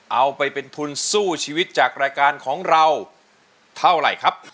เอาไปเป็นทุนสู้ชีวิตจากรายการของเราเท่าไหร่ครับ